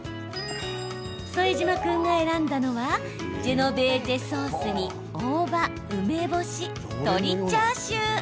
副島君が選んだのはジェノベーゼソースに大葉、梅干し、鶏チャーシュー。